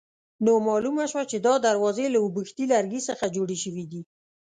نو معلومه شوه چې دا دروازې له اوبښتي لرګي څخه جوړې شوې دي.